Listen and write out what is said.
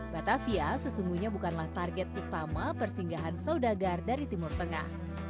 batavia sesungguhnya bukanlah target utama persinggahan saudagar dari timur tengah